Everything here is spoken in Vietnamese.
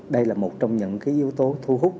đây là một trong những yếu tố thu hút